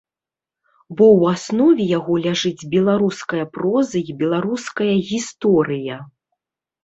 Бо ў аснове яго ляжыць беларуская проза і беларуская гісторыя.